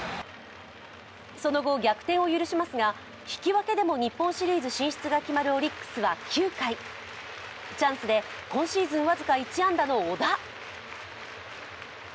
その後、逆転を許しますが引き分けでも日本シリーズ進出が決まるオリックスは９回チャンスで今シーズン僅か１安打の小田。